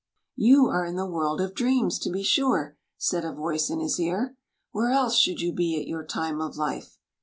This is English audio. " You are in the world of dreams, to be sure/' said a voice in his ear. " Where else should you be at your time of life